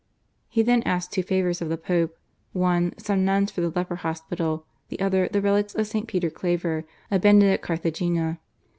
• He then asked two favours of the Pope : one, some nuns for the leper hospital ; the other, the relics of St. Peter Claver, abandoned at Carthagena.